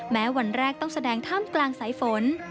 แม้วันแรกต้องแสดงท่ามกลางสายฝน